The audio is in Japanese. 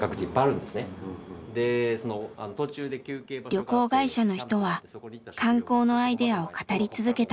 旅行会社の人は観光のアイデアを語り続けた。